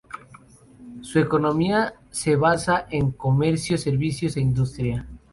Su economía se basa en comercio, servicios e industria.